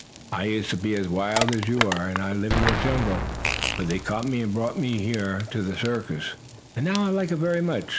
"I used to be as wild as you are, and live in the jungle. But they caught me and brought me here to the circus; and now I like it very much.